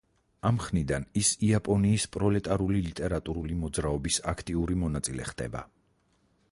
ამ ხნიდან ის იაპონიის პროლეტარული ლიტერატურული მოძრაობის აქტიური მონაწილე ხდება.